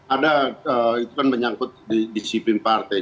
ada itu kan menyangkut disiplin partai